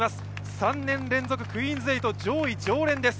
３年連続クイーンズ８、上位常連です。